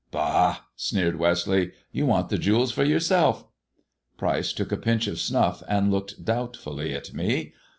"Bah!" sneered Westleigh. "You want the jewels for yourself." Pryce took a pinch of snuff, and looked doubtfully at me.